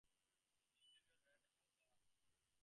The interior had red leather upholstery.